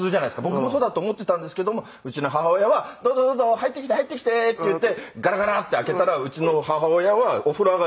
僕もそうだと思ってたんですけどもうちの母親は「どうぞどうぞ。入ってきて入ってきて」って言ってガラガラって開けたらうちの母親はお風呂上がりで全裸だったんです。